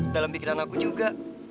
dalam pikiran aku juga